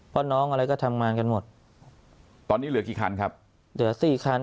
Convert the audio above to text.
เพราะน้องอะไรก็ทำงานกันหมดตอนนี้เหลือกี่คันครับเหลือสี่คัน